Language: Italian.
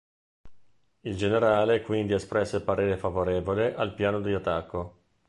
Il generale quindi espresse parere favorevole al piano di attacco.